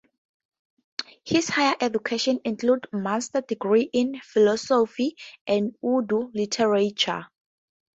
His higher education includes master degrees in Philosophy and Urdu literature.